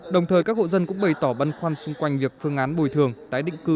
đồng thời các hộ dân cũng bày tỏ băn khoăn xung quanh việc phương án bồi thường tái định cư